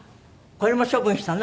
これも処分したの？